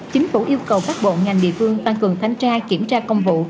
chính phủ yêu cầu các bộ ngành địa phương tăng cường thanh tra kiểm tra công vụ